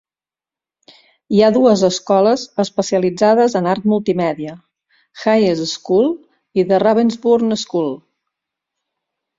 Hi ha dues escoles especialitzades en art multimèdia: Hayes School i The Ravensbourne School.